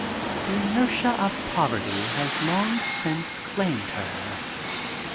The inertia of poverty had long since claimed her.